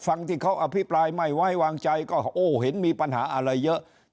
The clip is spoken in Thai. ฟังที่เขาอภิปรายไม่ไว้วางใจก็โอ้เห็นมีปัญหาอะไรเยอะ